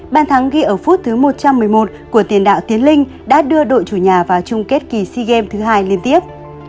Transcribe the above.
bàn thắng ghi ở phút thứ một trăm một mươi một của tiền đạo tiến linh đã đưa đội chủ nhà vào chung kết kỳ sea games thứ hai liên tiếp